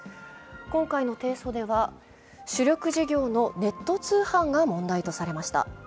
今回の提訴では主力事業のネット通販が問題とされました。